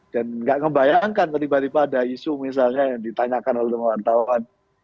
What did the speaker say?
dan nggak ngebayangkan tiba tiba ada isu misalnya yang ditanyakan oleh teman teman wartawan